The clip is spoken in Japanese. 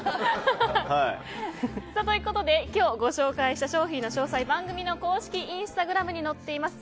今日ご紹介した商品の詳細は番組の公式インスタグラムに載っています。